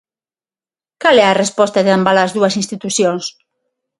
Cal é a resposta de ambas as dúas institucións?